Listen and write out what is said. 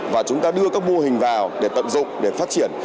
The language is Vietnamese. và chúng ta đưa các mô hình vào để tận dụng để phát triển